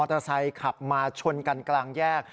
เตอร์ไซค์ขับมาชนกันกลางแยก